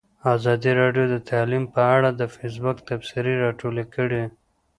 ازادي راډیو د تعلیم په اړه د فیسبوک تبصرې راټولې کړي.